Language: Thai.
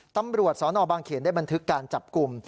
ตำรวจสนบางเขนได้บันทึกการจับกลุ่ม